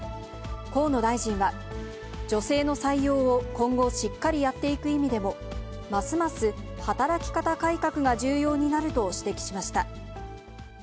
河野大臣は、女性の採用を今後、しっかりやっていく意味でも、ますます働き方改革が重要になると指摘しました。